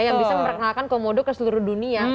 yang bisa memperkenalkan komodo ke seluruh dunia